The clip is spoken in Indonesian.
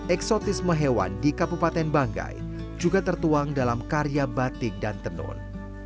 eksotisme hewan di kabupaten banggai juga tertuang dalam karya batik dan tenun